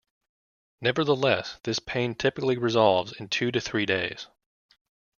Nevertheless, this pain typically resolves in two to three days.